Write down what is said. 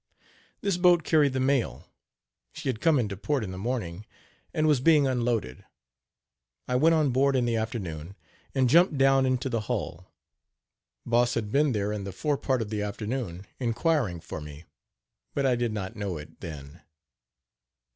This boat carried the mail. She had come into port in the morning, and was being unloaded. I went aboard in the afternoon and jumped down into the hull. Boss had been there in the fore part of the afternoon inquiring for me, but I did not know it then.